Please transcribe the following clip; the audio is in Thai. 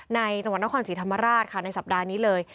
ในจังหวัดนครศรีธรรมราชค่ะในสัปดาห์นี้เลย